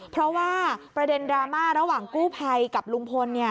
เพราะว่าประเด็นดราม่าระหว่างกู้ภัยกับลุงพล